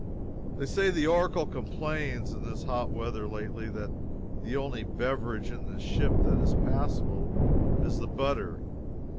They say the Oracle complains, in this hot weather, lately, that the only beverage in the ship that is passable, is the butter.